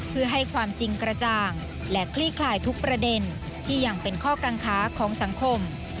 เพื่อให้ความจริงกระจ่างและคลี่คลายทุกประเด็นที่ยังเป็นข้อกังค้าของสังคม